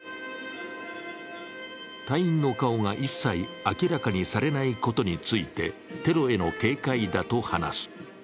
隊員の顔が一切明らかにされないことについて、テロへの警戒だと話す。